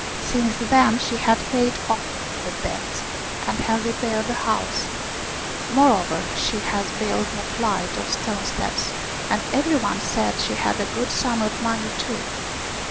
Since then she had paid off the debts, and had repaired the house ; moreover, she had built a flight of stone steps, and every one said she had a good sum of money too.